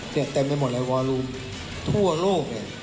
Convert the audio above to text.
เต็มไปหมดเลยวอลูมทั่วโลกเนี่ย